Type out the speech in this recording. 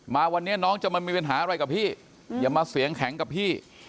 มาวันนี้น้องจะมามีปัญหาอะไรกับพี่อย่ามาเสียงแข็งกับพี่